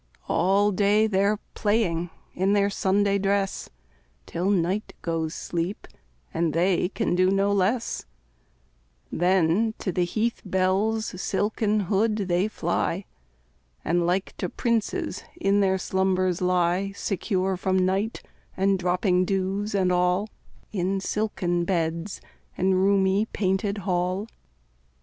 All day they're playing in their Sunday dress Till night goes sleep, and they can do no less; Then, to the heath bell's silken hood they fly, And like to princes in their slumbers lie, Secure from night, and dropping dews, and all, In silken beds and roomy painted hall.